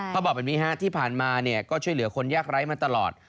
พระบอบแบบนี้ที่ผ่านมาเนี่ยก็ช่วยเหลือคนยากไร้มาตลอด